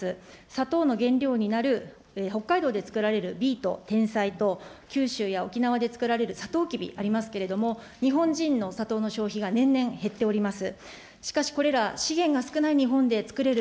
砂糖の原料になる北海道で作られるビート、てんさいと九州や沖縄でつくられるさとうきび、ありますけれども、日本人のお砂糖の消費が年々減っております。